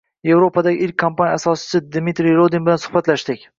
Yevropadagi ilk kompaniya asoschisi Dmitriy Rodin bilan suhbatlashdik.